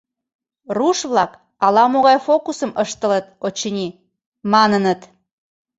Руш-влак ала-могай фокусым ыштылыт, очыни, маныныт.